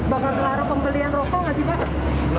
bapak soal pembelian rokok enggak sih pak